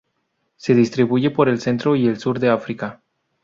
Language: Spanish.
Se distribuyen por el centro y el sur de África.